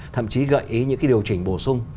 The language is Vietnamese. thậm chí gợi ý những cái điều chỉnh bổ sung